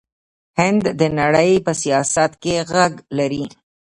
هند د نړۍ په سیاست کې غږ لري.